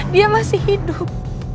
dia masih hidup